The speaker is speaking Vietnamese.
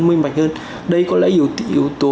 minh mạch hơn đây có lẽ yếu tố